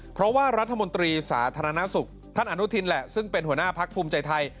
เพราะว่ารัฐมนตรีสาธารณสุขท่านอนุทินแหละซึ่งเป็นหัวหน้าพักภูมิใจไทย